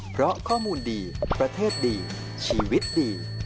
เพราะข้อมูลดีประเทศดีชีวิตดี